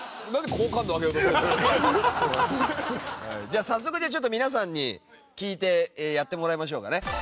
じゃあ早速皆さんに聞いてやってもらいましょうかね。